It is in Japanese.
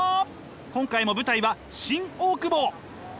今回も舞台は新大久保。